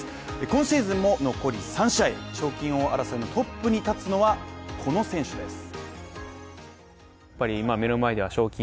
今シーズンも残り３試合賞金王争いのトップに立つのはこの選手です。